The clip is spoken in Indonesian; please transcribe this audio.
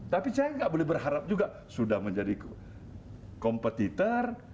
tapi saya nggak boleh berharap juga sudah menjadi kompetitor